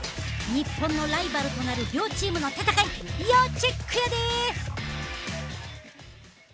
日本のライバルとなる両チームの戦い要チェックやで！